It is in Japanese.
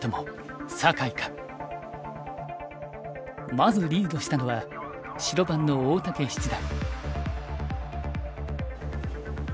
まずリードしたのは白番の大竹七段。